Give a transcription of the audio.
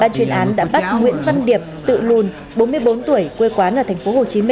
chuyên án đã bắt nguyễn văn điệp tự lùn bốn mươi bốn tuổi quê quán ở tp hcm